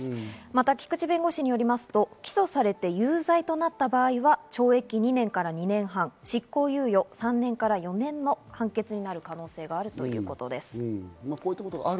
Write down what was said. また菊地弁護士によりますと起訴されて有罪となった場合は懲役２年から２年半、執行猶予３年から４年の判決になる可能性があるということです。